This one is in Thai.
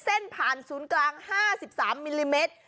เส้นผ่านศูนย์กลาง๕๓มิลลิเมตร